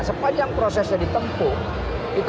sepanjang prosesnya ditempuh